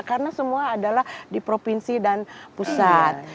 karena semua adalah di provinsi dan pusat